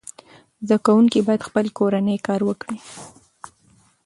زده کوونکي باید خپل کورنی کار وکړي.